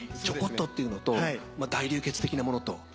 ちょこっとっていうのと大流血的なものと。